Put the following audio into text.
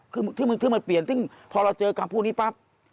คือมึงคือมันเปลี่ยนซึ่งพอเราเจอกับคำพูดนี้ปั๊บ